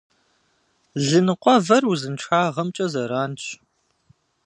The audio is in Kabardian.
Лы ныкъуэвэр узыншагъэмкӏэ зэранщ.